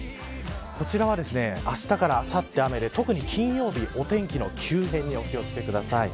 こちらは、あしたからあさって雨で特に金曜日、お天気の急変にお気を付けください。